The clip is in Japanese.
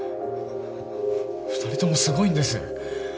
二人ともすごいんです